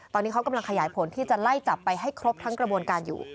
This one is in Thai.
ตอนนี้เขากำลังขยายผลที่จะไล่จับไปให้ครบทั้งกระบวนการอยู่